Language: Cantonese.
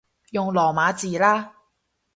用羅馬字啦